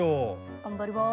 頑張ります。